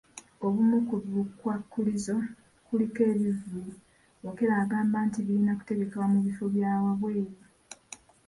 Obumu ku bukwakkulizo kuliko ebivvulu, Okello agamba nti birina kutegekebwa mu bifo bya wabweru.